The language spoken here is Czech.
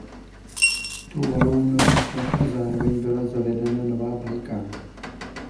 Tuvalu nový znak a zároveň byla zavedena nová vlajka.